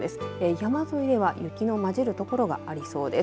山沿いでは雪のまじる所がありそうです。